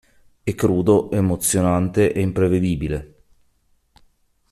È crudo, emozionante e imprevedibile.